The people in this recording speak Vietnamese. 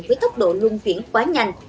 với tốc độ luôn chuyển quá nhanh